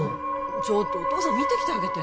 ちょっとお父さん見てきてあげて・